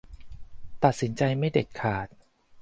ตัดสินใจไม่เด็ดขาด